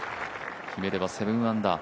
決めれば７アンダー。